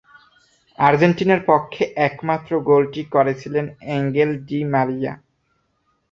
আর্জেন্টিনার পক্ষে একমাত্র গোলটি করেছিলেন এঙ্গেল ডি মারিয়া।